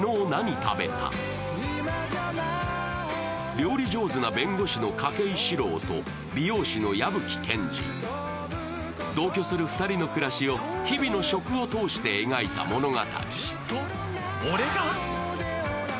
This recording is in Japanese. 料理上手な弁護士の筧史朗と美容師の矢吹賢二、同居する２人の暮らしを日々の食を通して描いた物語。